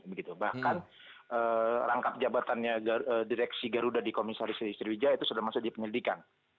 bahkan rangkap jabatannya direksi garuda di komisaris sriwijaya itu sudah masuk di penyelidikan